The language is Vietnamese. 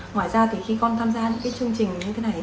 ngoài ra khi con tham gia những chương trình như thế này